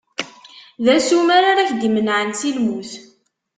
D asumer ara k-d-imenɛen si lmut.